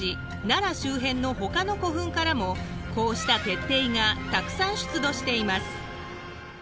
奈良周辺のほかの古墳からもこうした鉄がたくさん出土しています。